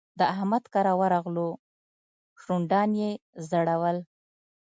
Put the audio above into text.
د احمد کره ورغلو؛ شونډان يې ځړول.